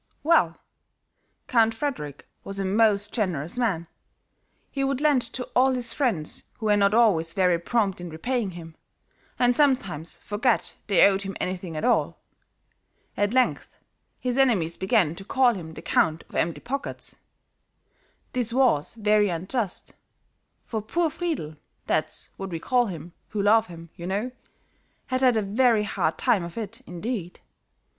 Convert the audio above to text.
"Well, Count Frederick was a most generous man; he would lend to all his friends who were not always very prompt in repaying him, and sometimes forget they owed him anything at all. At length, his enemies began to call him the Count of the Empty Pockets. This was very unjust, for poor Friedl (that's what we call him, who love him, you know) had had a very hard time of it, indeed.